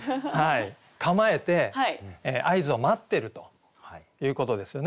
構えて合図を待ってるということですよね。